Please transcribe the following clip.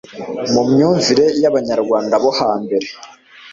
Mu myumvire yAbanyarwanda bo hambere